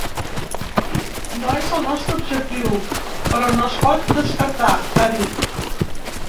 No és el nostre objectiu, però no es pot descartar, ha dit.